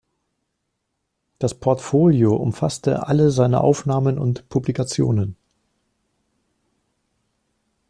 Das Portfolio umfasste alle seine Aufnahmen und Publikationen.